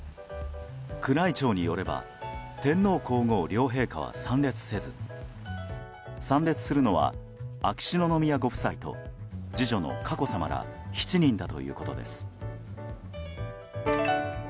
宮内庁によれば天皇・皇后両陛下は参列せず参列するのは秋篠宮ご夫妻と次女の佳子さまら７人だということです。